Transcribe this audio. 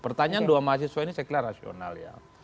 pertanyaan dua mahasiswa ini saya kira rasional ya